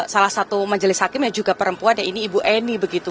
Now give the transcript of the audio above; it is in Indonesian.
salah satu majelis hakim yang juga perempuan ya ini ibu eni begitu